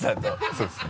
そうですね。